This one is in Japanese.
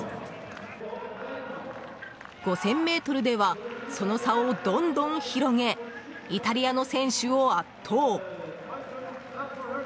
５０００ｍではその差をどんどん広げイタリアの選手を圧倒。